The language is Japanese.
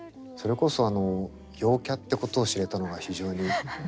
それこそ陽キャってことを知れたのが非常に。